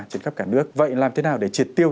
trên khắp cả nước vậy làm thế nào để triệt tiêu